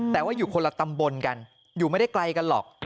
แต่ว่าอยู่คนละตำบลกันอยู่ไม่ได้ไกลกันหรอก